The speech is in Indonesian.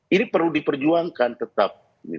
ini perlu diperjuangkan tetap